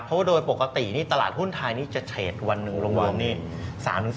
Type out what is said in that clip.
เพราะโดยปกติตลาดหุ้นไทยจะเทรดวันหนึ่งรวมนี้๓๔หมื่นล้าน